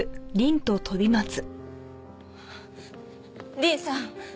凛さん。